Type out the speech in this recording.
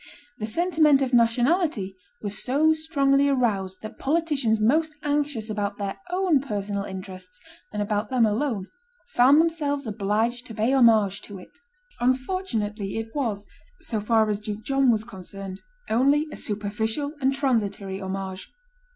The sentiment of nationality was so strongly aroused that politicians most anxious about their own personal interests, and about them alone, found themselves obliged to pay homage to it. Unfortunately, it was, so far as Duke John was concerned, only a superficial and transitory homage.